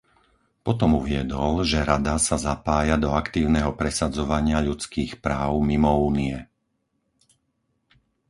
Potom uviedol, že Rada sa zapája do aktívneho presadzovania ľudských práv mimo Únie.